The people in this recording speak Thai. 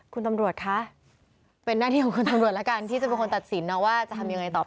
คุณตำรวจคะเป็นหน้าที่ของคุณตำรวจแล้วกันที่จะเป็นคนตัดสินนะว่าจะทำยังไงต่อไป